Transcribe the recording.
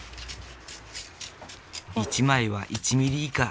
１枚は１ｍｍ以下。